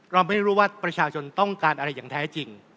เราไม่รู้ว่าประชาชนต้องการอะไรอย่างแท้จริง